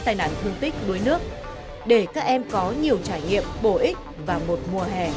tai nạn thương tích đuối nước để các em có nhiều trải nghiệm bổ ích vào một mùa hè